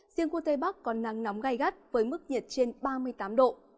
riêng khu tây bắc có nắng nóng gai gắt với mức nhiệt trên ba mươi tám độ